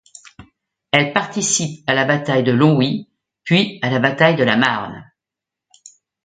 Elle participe à la bataille de Longwy puis à la bataille de la Marne.